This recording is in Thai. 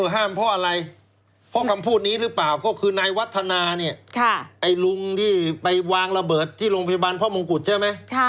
ห้ามเพราะอะไรเพราะคำพูดนี้หรือเปล่าก็คือนายวัฒนาเนี่ยไอ้ลุงที่ไปวางระเบิดที่โรงพยาบาลพ่อมงกุฎใช่ไหม